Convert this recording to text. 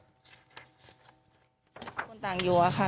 คนต่างอยู่อะค่ะ